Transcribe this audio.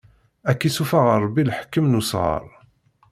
Ad k-issufeɣ Ṛebbi leḥkem n usɣaṛ!